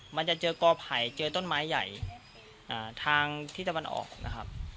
มันจะเจอกอไผ่เจอต้นไม้ใหญ่ทางที่ตะวันออกนะครับ